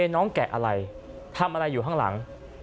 น้องแกะอะไรทำอะไรอยู่ข้างหลัง